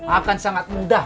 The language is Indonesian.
akan sangat mudah